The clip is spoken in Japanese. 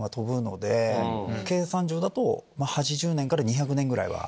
計算上だと８０年から２００年ぐらいは。